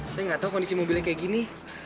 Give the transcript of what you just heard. saya nggak tahu kondisi mobilnya kayak gini